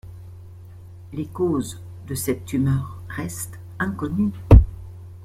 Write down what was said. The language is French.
Les causes de cette tumeur restent inconnues.